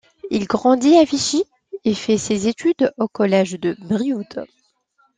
Il grandit à Vichy et fait ses études au collège de Brioude.